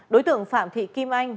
đối tượng phạm thị kim anh